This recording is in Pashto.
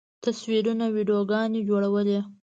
تصویرونه، ویډیوګانې جوړولی